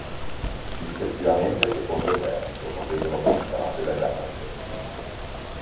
Rispettivamente secondo e terzo, non vengono però superati dagli altri atleti.